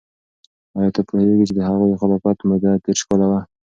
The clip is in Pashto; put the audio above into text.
آیا ته پوهیږې چې د هغوی د خلافت موده دیرش کاله وه؟